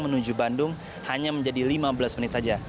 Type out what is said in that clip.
menuju bandung hanya menjadi lima belas menit saja